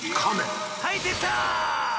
はいでた！